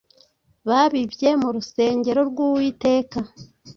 Babibye mu rusengero rw'Uwiteka